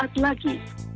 berapa saat lagi